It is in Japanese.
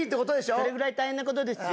それぐらい大変なことですよ。